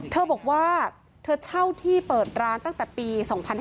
เธอบอกว่าเธอเช่าที่เปิดร้านตั้งแต่ปี๒๕๕๙